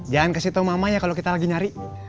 jangan kasih tau mama ya kalo kita lagi nyari